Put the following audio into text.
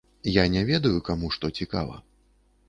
Я не ведаю, каму што цікава.